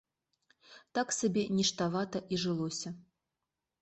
Так сабе ніштавата і жылося.